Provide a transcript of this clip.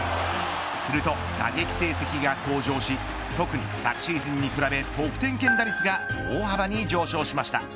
すると打撃成績が向上し特に昨シーズンに比べ得点圏打率が大幅に上昇しました。